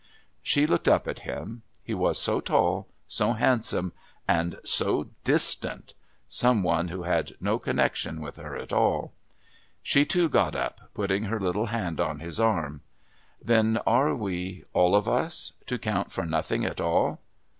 She looked up at him. He was so tall, so handsome, and so distant some one who had no connection with her at all. She too got up, putting her little hand on his arm. "Then are we, all of us, to count for nothing at all?"